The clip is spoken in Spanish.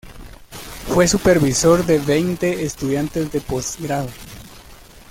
Fue supervisor de veinte estudiantes de postgrado.